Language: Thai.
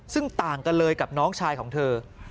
ซึ่งต่างกันเลยกับน้องชายของเธอ